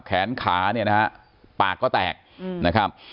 แขนขาเนี่ยนะฮะปากก็แตกนะครับ